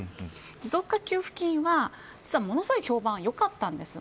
持続化給付金は実はものすごい評判はよかったんです。